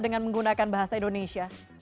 untuk menggunakan bahasa indonesia